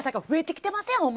増えてきていません？